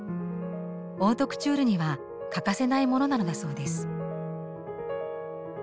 オートクチュールには欠かせないものなのだそうです。